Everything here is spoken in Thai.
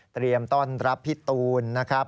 เตรียมต้อนรับพี่ตูนนะครับ